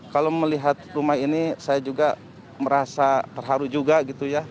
kalau melihat rumah ini saya juga merasa terharu juga gitu ya